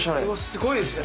すごいですね。